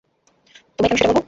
তোমায় কেন সেটা বলবো?